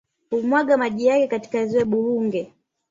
Humwaga maji yake katika ziwa Burunge